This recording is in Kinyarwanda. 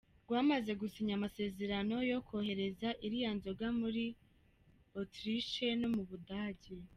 Rwamaze gusinya amasezerano yo kohereza iriya nzoga muri Autriche no mu Budage.